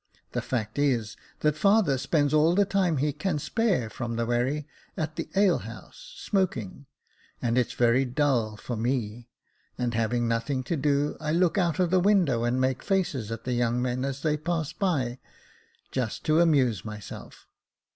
The fact is that father spends all the time he can spare from the wherry at the alehouse, smoking ; and it's very dull for me, and having nothing to do, I look out of the window, and make faces at the young men as they pass by, just to amuse myself.